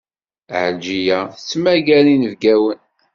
Ɛelǧiya tettmagar inebgawen.